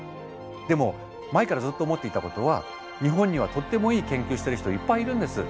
でも前からずっと思っていたことは日本にはとってもいい研究してる人いっぱいいるんです。